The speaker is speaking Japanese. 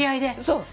そう。